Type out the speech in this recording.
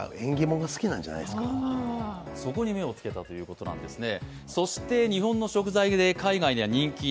そこに目をつけたということですね。